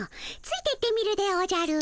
ついてってみるでおじゃる。